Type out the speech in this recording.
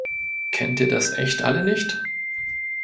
Kennt ihr das echt alle nicht?